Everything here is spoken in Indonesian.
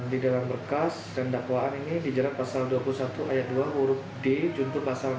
di dalam berkas dan dakwaan ini dijerat pasal dua puluh satu ayat dua huruf d juntur pasal dua puluh